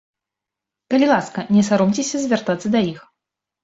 Калі ласка, не саромцеся звяртацца да іх.